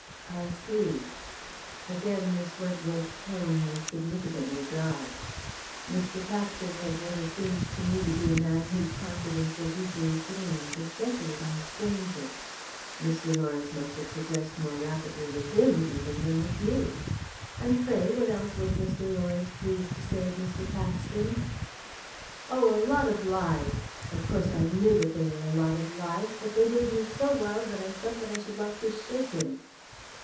"I see." Again Miss Wentworth's tone was significantly dry. "Mr. Paxton has never seemed to me to be a man whose confidence was easily gained, especially by a stranger. Mr. Lawrence must have progressed more rapidly with him even than with you. And, pray, what else was Mr. Lawrence pleased to say of Mr. Paxton?" "Oh, a lot of lies! Of course I knew that they were a lot of lies, but they made me so wild that I felt that I should like to shake him."